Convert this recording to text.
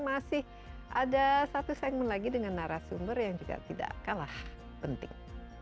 masih ada satu segmen lagi dengan narasumber yang juga tidak kalah penting